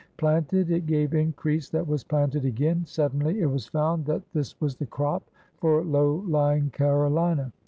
Planted, it gave increase that was planted again. Suddenly it was found that this was the crop for low lying Carolina.